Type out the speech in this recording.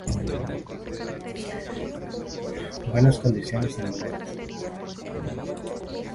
Buenas condiciones sanitarias.